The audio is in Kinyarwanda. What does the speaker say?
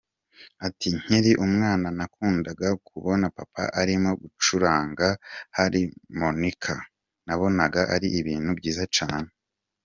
Ati “Nkiri umwana nakundaga kubona Papa arimo gucuranga harmonica, nabonaga ari ibintu byiza cyane.